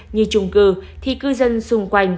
như trung cư thì cư dân xung quanh